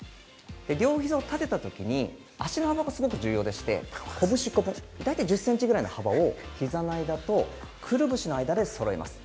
両ひざを立てたときに、足の幅がすごく重要でして、こぶし１個分、大体１０センチぐらいの幅をひざの間とくるぶしの間でそろえます。